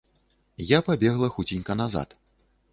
Я пабегла хуценька назад.